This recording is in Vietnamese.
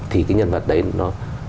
thì cái nhân vật đấy nó